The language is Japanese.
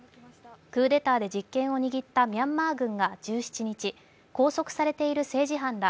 クーデターで実権を握ったミャンマー軍が拘束されている政治犯ら